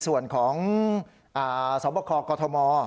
ในส่วนของสวบบคลอกทม